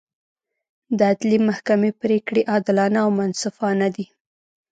د عدلي محکمې پرېکړې عادلانه او منصفانه دي.